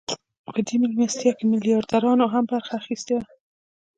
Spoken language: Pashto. په دې مېلمستیا کې میلیاردرانو هم برخه اخیستې وه